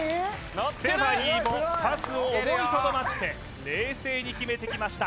ステファニーもパスを思いとどまって冷静に決めてきました